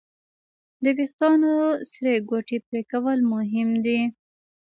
د وېښتیانو سرې ګوتې پرېکول مهم دي.